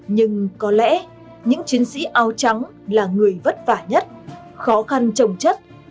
nhưng có lẽ những chiến sĩ áo trắng là người vất vả nhất khó khăn trồng chất